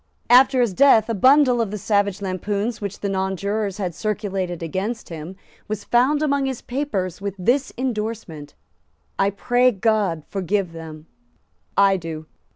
After his death a bundle of the savage lampoons which the nonjurors had circulated against him was found among his papers with this indorsement: "I pray God forgive them; I do."